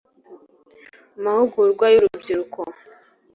amahugurwa y urubyiruko.